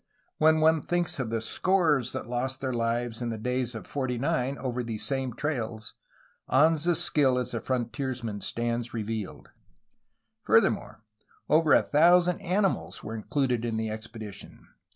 When one thinks of the scores that lost their lives in the days of '49 over these same trails, Anza's skill as a frontiers man stands revealed. Furthermore, over a thousand animals were included in the expedition.